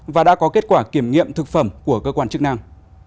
và đã có kết quả kiểm nghiệm thực phẩm của cơ quan chức năng